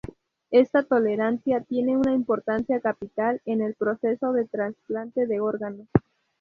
Esta tolerancia tiene una importancia capital en el proceso de trasplante de órganos.